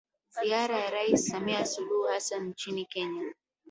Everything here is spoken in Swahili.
Ziara ya Rais Samia Suluhu Hassan nchini Kenya